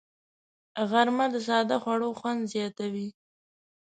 غرمه د ساده خوړو خوند زیاتوي